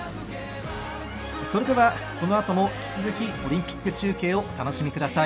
それでは、このあとも引き続きオリンピック中継をお楽しみください。